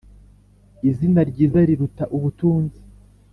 izina ryiza riruta ubutunzi.